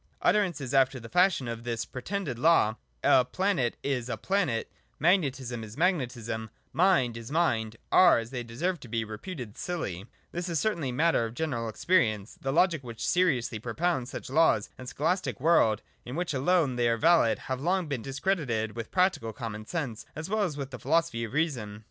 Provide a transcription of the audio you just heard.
Utterances after the fashion of this pre tended law (A planet is — a planet; Magnetism is — magnetism ; Mind is — mind) are, as they deserve to be, reputed silly. That is certainly matter of general ex perience. The logic which seriously propounds such laws and the scholastic world in which alone they are valid have long been discredited with practical common sense as well as with the philosophy of reason.